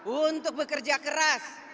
untuk bekerja keras